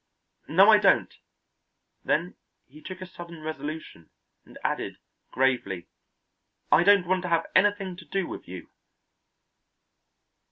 "No, I don't." Then he took a sudden resolution, and added gravely, "I don't want to have anything to do with you."